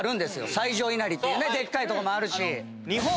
最上稲荷っていうねでっかいとこもあるし。